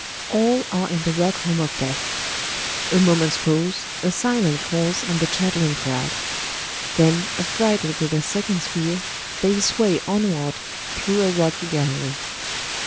All are in the rock home of Death. A moment's pause, a silence falls on the chatter ing crowd. Then, affrighted with their second's fear, they sway onward through a rocky gallery.